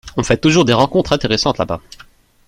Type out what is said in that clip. On fait toujours des rencontres intéressantes là-bas.